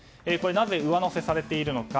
なぜ上乗せされているのか。